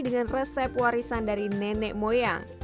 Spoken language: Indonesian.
dengan resep warisan dari nenek moyang